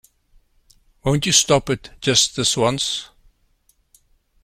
Won't you stop it just this once?